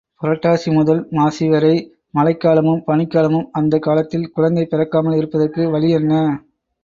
புரட்டாசி முதல் மாசிவரை மழைக் காலமும் பனிக்காலமும் அந்தக் காலத்தில் குழந்தை பிறக்காமல் இருப்பதற்கு வழி என்ன?